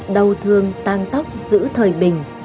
đầu thương tan tóc giữ thời bình